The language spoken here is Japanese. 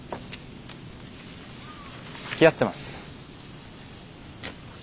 つきあってます。